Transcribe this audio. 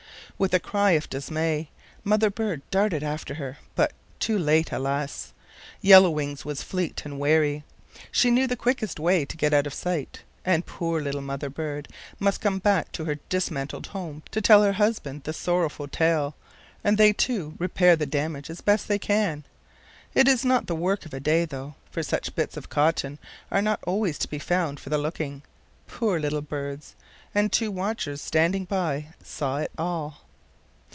With a cry of dismay, mother bird darted after her, but too late, alas! Yellow Wings was fleet and wary. She knew the quickest way to get out of sight, and poor little mother bird must come back to her dismantled home to tell her husband the sorrowful tale, and they two repair the damage as best they can. It is not the work of a day, though, for such bits of cotton are not always to be found for the looking. Poor little birds! And two watchers, standing by, saw it all.